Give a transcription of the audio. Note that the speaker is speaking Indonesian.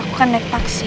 aku kan naik taksi